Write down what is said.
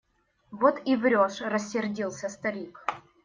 Вот и врешь! – рассердился старик.